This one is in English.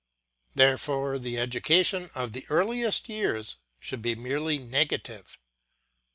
Therefore the education of the earliest years should be merely negative.